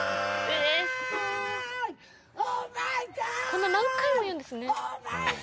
こんな何回も言うんですね。